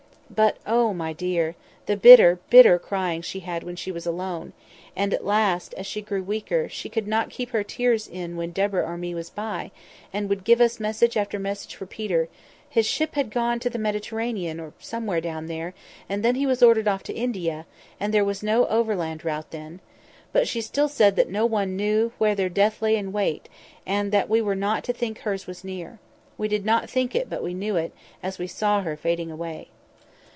But oh, my dear! the bitter, bitter crying she had when she was alone; and at last, as she grew weaker, she could not keep her tears in when Deborah or me was by, and would give us message after message for Peter (his ship had gone to the Mediterranean, or somewhere down there, and then he was ordered off to India, and there was no overland route then); but she still said that no one knew where their death lay in wait, and that we were not to think hers was near. We did not think it, but we knew it, as we saw her fading away.